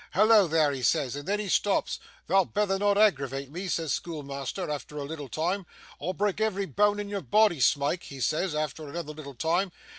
"Hallo, there," he says, and then he stops. "Thou'd betther not aggravate me," says schoolmeasther, efther a little time. "I'll brak' every boan in your boddy, Smike," he says, efther another little time.